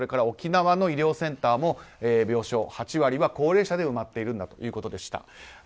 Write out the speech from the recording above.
沖縄の医療センターも病床８割は高齢者で埋まっているということでした。